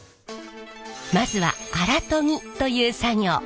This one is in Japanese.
まずは荒研ぎという作業。